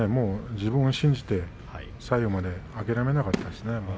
自分を信じて最後まで諦めなかったですね。